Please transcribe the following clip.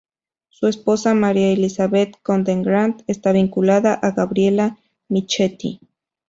Su esposa, María Elizabeth Conte Grand, está vinculada a Gabriela Michetti.